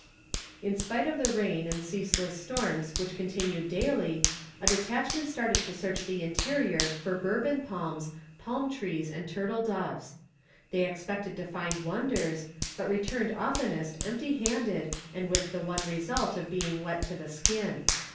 In spite of the rain and ceaseless storms which continued daily, a detachment started to search the interior for Bourbon palms, palm trees, and turtle doves. They expected to find wonders, but returned oftenest empty handed and with the one result of being wet to the skin.